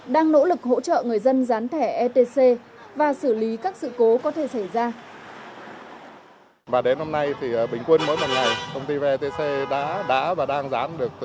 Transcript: đang nỗ lực hỗ trợ người dân gián thẻ etc và xử lý các sự cố có thể xảy ra